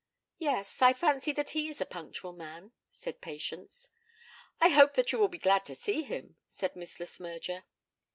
'Yes; I fancy that he is a punctual man,' said Patience. 'I hope that you will be glad to see him,' said Miss Le Smyrger.